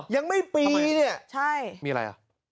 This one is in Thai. ยังไม่ปีเนี่ยมีอะไรหรอทำไมใช่